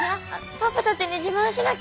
パパたちに自慢しなきゃ！